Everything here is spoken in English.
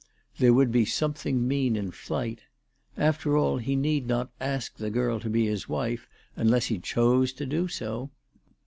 There would be something mean in flight. After all, he need not ask the girl to be his wife unless he chose to do so.